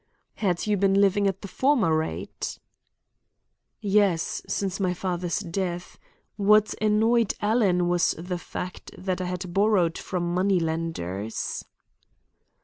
"Had you been living at the former rate?" "Yes, since my father's death. What annoyed Alan was the fact that I had borrowed from money lenders."